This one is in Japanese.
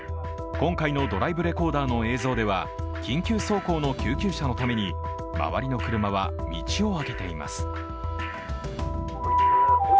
今回のドライブレコーダーの映像では緊急走行の救急車のために周りの車は道をあけています。